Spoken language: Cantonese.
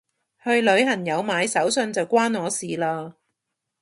去旅行有買手信就關我事嘞